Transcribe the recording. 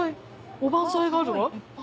おばんざいがあるわ。